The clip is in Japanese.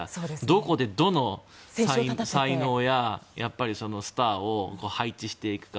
どこで、どの才能やスターを配置していくか。